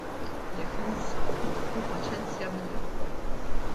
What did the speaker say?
Jekk ninsa, ħu paċenzja bija.